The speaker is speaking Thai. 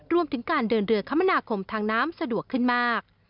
รวมถึงการเดินเรือคมนาคมทางน้ำสะดวกขึ้นมาก